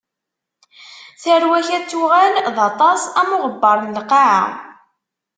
Tarwa-k ad tuɣal d aṭas, am uɣebbar n lqaɛa.